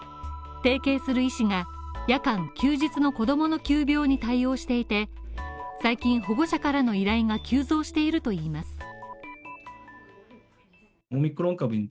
提携する医師が、夜間休日の子供の急病に対応していて、最近、保護者からの依頼が急増しているといいます。